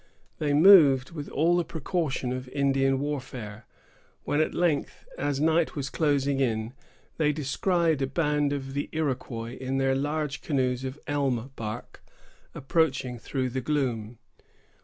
They moved with all the precaution of Indian warfare, when, at length, as night was closing in, they descried a band of the Iroquois in their large canoes of elm bark approaching through the gloom.